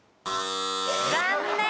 残念！